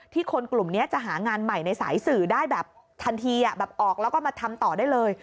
คนกลุ่มนี้จะหางานใหม่ในสายสื่อได้แบบทันทีแบบออกแล้วก็มาทำต่อได้เลย